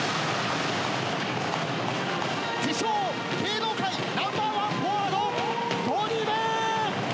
自称芸能界ナンバーワンフォワードゴリ部！